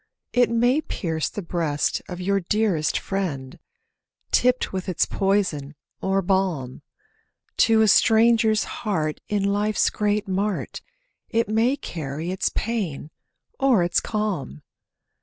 It may pierce the breast of your dearest friend, Tipped with its poison or balm; To a stranger's heart in life's great mart, It may carry its pain or its calm.